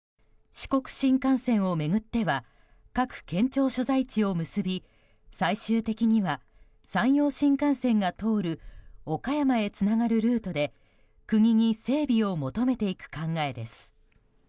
四国新幹線を巡っては各県庁所在地を結び最終的には山陽新幹線が通る岡山へつながるルートで国に整備を求めていく考えです。